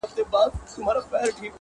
اراده د تیارو لارو څراغ بلوي